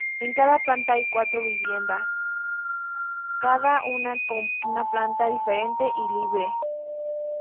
En cada planta hay cuatro viviendas, cada una con una planta diferente y libre.